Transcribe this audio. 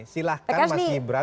silahkan mas gibran memanfaatkan